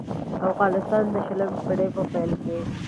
افغانستان د شلمې پېړۍ په پېل کې.